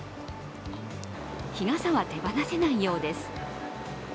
日傘は手放せないようです。